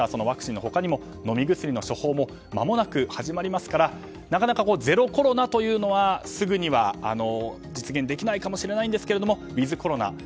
ワクチンの他にも飲み薬処方もまもなく始まりますからなかなかゼロコロナというのはすぐには実現できないかもしれないんですけどウィズコロナ